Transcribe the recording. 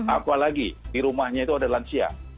apalagi di rumahnya itu ada lansia